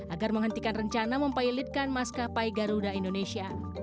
agar menghentikan rencana mempilotkan maskapai garuda indonesia